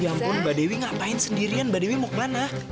ya ampun mbak dewi ngapain sendirian mbak dewi mau kemana